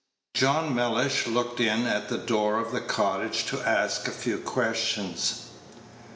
John Mellish looked in at the door of the cottage to ask a few questions.